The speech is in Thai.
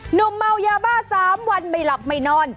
เมายาบ้า๓วันไม่หลับไม่นอน